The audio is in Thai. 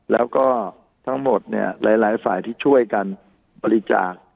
แล้วก็ทั้งหมดเนี่ยหลายฝ่ายที่ช่วยกันบริจาค